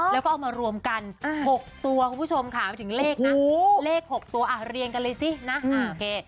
แล้วก็เอามารวมกัน๖ตัวคุณผู้ชมค่ะหมายถึงเลขนะเลข๖ตัวอ่ะเรียงกันเลยสินะโอเค